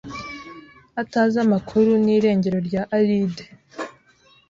atazi amakuru n’irengero rya Alide.